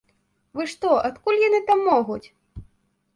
Вы што, адкуль яны там могуць?